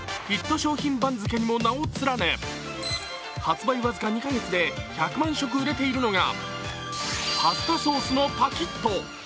商品番付にも名を連ね、発売僅か２か月で１００万食売れているのがパスタソースのパキット。